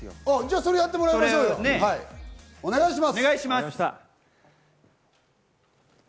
それやってもらいましょうよ、お願いします。